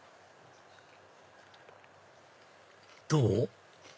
どう？